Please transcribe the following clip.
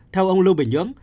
theo ông lưu bình nhưỡng